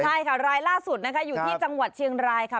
ใช่ค่ะรายล่าสุดนะคะอยู่ที่จังหวัดเชียงรายค่ะ